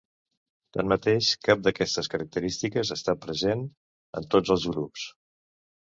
Tanmateix, cap d'aquestes característiques està present en tots els grups.